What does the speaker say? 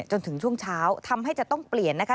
จนถึงช่วงเช้าทำให้จะต้องเปลี่ยนนะคะ